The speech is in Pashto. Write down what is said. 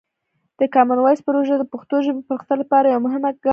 د کامن وایس پروژه د پښتو ژبې پرمختګ لپاره یوه مهمه ګام دی.